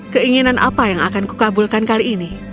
keinginan apa yang akan kukabulkan kali ini